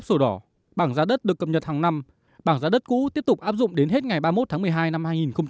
sổ đỏ bảng giá đất được cập nhật hàng năm bảng giá đất cũ tiếp tục áp dụng đến hết ngày ba mươi một tháng một mươi hai năm hai nghìn hai mươi